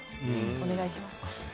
お願いします。